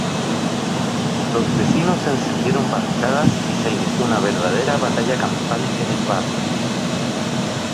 Los vecinos encendieron barricadas y se inició una verdadera batalla campal en el barrio.